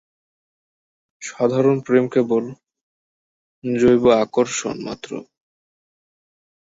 সাধারণ প্রেম কেবল জৈব আকর্ষণমাত্র।